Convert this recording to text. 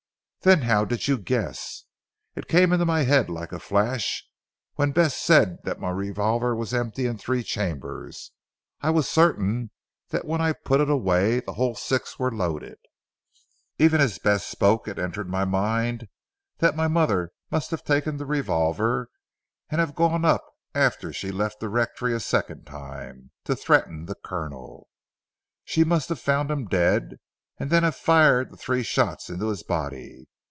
"Then how did you guess?" "It came into my head like a flash when Bess said that my revolver was empty in three chambers. I was certain that when I put it away the whole six were loaded. Even as Bess spoke it entered my mind that my mother must have taken the revolver, and have gone up after she left the rectory a second time, to threaten the Colonel. She must have found him dead and then have fired the three shots into his body.